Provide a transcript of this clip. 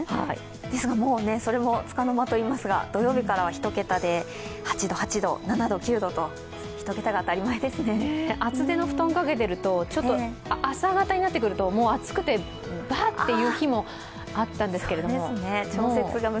でもそれもつかの間といいますか土曜日からは１桁で８度、８度、７度、９度と厚手の布団をかけていると、朝方になってくるともう暑くて、ばっていう日もあったんですけど。